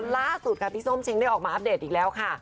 ล่าสุดค่ะพี่ส้มชิงได้ออกมาอัปเดตอีกแล้วค่ะ